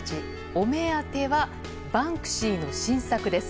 お目当てはバンクシーの新作です。